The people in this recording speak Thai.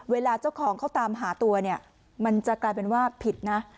เวลาเจ้าของเขาตามหาตัวเนี่ยมันจะกลายเป็นว่าผิดนะ